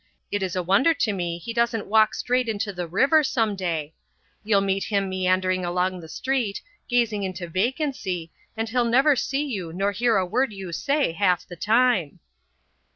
It is a wonder to me he doesn't walk straight into the river some day. You'll meet him meandering along the street, gazing into vacancy, and he'll never see you nor hear a word you say half the time."